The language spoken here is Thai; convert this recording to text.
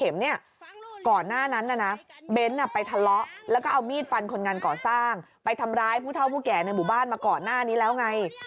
มาเกาะหน้านี้แล้วไง